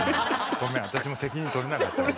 ごめん私も責任取れなかったわ。